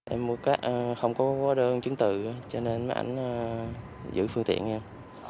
em mua cát không có đơn chứng từ cho nên máy ảnh giữ phương tiện em